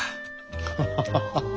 ハハハハッ。